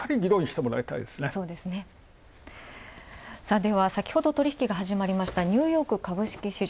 では、先ほど取引が開始したニューヨーク株式市場。